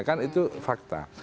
kan itu fakta